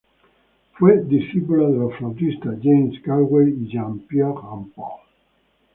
Fue discípula de los flautistas James Galway y Jean-Pierre Rampal.